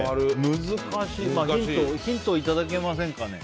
ヒントいただけませんかね。